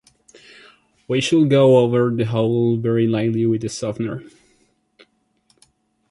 We should go over the whole very lightly with the softener.